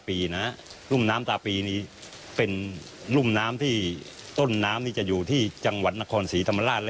ปีนะรุ่มน้ำตาปีนี้เป็นรุ่มน้ำที่ต้นน้ำนี่จะอยู่ที่จังหวัดนครศรีธรรมราช